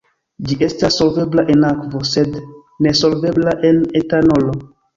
Ĝi estas solvebla en akvo, sed nesolvebla en etanolo.